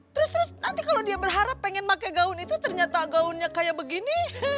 terus terus nanti kalau dia berharap pengen pakai gaun itu ternyata gaunnya kayak begini